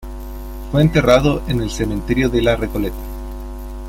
Fue enterrado en el Cementerio de la Recoleta.